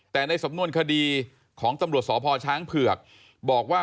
แต่ในสำนวนคดีของตำรวจสพช้างเผือกบอกว่า